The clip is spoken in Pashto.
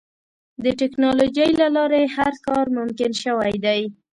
د ټکنالوجۍ له لارې هر کار ممکن شوی دی.